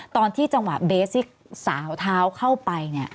ตอนที่จังหวะเบสที่สาวเท้าเข้าไปเนี่ย